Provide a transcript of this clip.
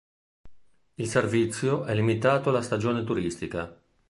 Il servizio è limitato alla stagione turistica.